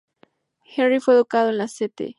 Henry fue educado en la St.